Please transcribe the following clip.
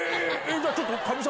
じゃあちょっと。